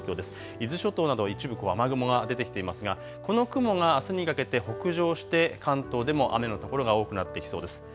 伊豆諸島など一部、雨雲が出てきていますが、この雲があすにかけて北上して関東でも雨の所が多くなってきそうです。